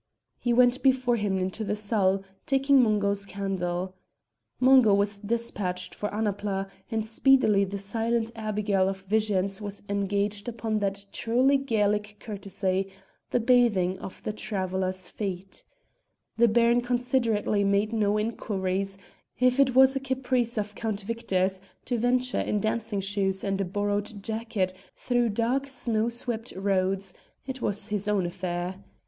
He went before him into the salle, taking Mungo's candle. Mungo was despatched for Annapla, and speedily the silent abigail of visions was engaged upon that truly Gaelic courtesy, the bathing of the traveller's feet. The Baron considerately made no inquiries; if it was a caprice of Count Victor's to venture in dancing shoes and a borrowed jacket through dark snow swept roads, it was his own affair.